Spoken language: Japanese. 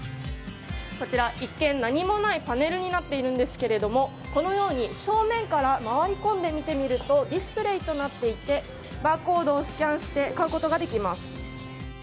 一見何もないパネルになっているんですがこのように、正面から回り込んで見てみるとディスプレーとなっていてバーコードをスキャンして買うことができます。